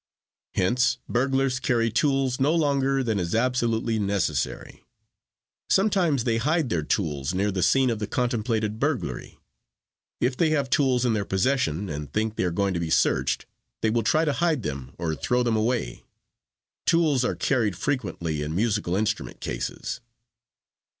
Hence burglars carry tools no longer than is absolutely necessary. Sometimes they hide their tools near the scene of the contemplated burglary. If they have tools in their possession and think they are going to be searched, they will try to hide them or throw them away. Tools are carried frequently in musical instrument cases.